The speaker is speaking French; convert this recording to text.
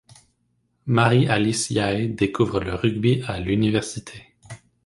Marie-Alice Yahé découvre le rugby à l'université.